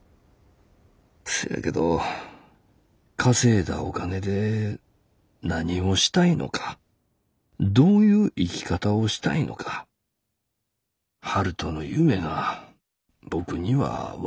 「そやけど稼いだお金で何をしたいのかどういう生き方をしたいのか悠人の夢が僕には分かれへん。